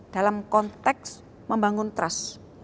dalam konteks membangun trust